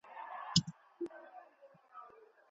په قلم خط لیکل د روښانه او پرمختللي ژوند پیلامه ده.